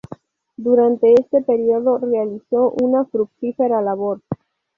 Durante ese período realizó una fructífera labor.